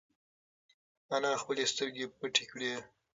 انا خپلې سترگې پټې کړې.